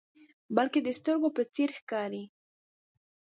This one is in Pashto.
بلکې د سترګو په څیر ښکاري.